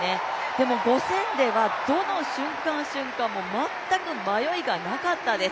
でも５０００ではどの瞬間、瞬間も全く迷いがなかったです。